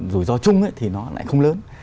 rủi ro chung thì nó lại không lớn